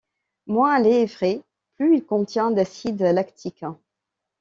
Moins un lait est frais, plus il contient d'acide lactique.